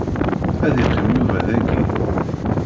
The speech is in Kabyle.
Ad iqqim Yuba dagi.